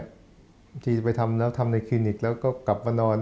บางทีไปทำแล้วทำในคลินิกแล้วก็กลับมานอน